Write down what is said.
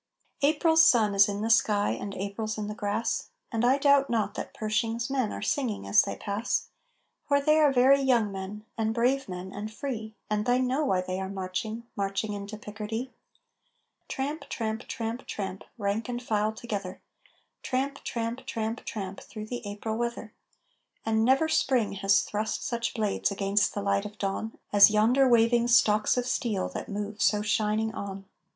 April's sun is in the sky and April's in the grass And I doubt not that Pershing's men are singing as they pass For they are very young men, and brave men, and free, And they know why they are marching, marching into Picardy. Tramp, tramp, tramp, tramp, Rank and file together Tramp, tramp, tramp, tramp, Through the April weather. And never Spring has thrust such blades against the light of dawn As yonder waving stalks of steel that move so shining on!